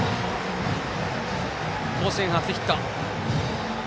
甲子園初ヒット。